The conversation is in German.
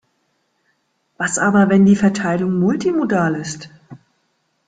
Was aber, wenn die Verteilung multimodal ist?